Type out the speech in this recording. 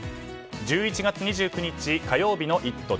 １１月２９日、火曜日の「イット！」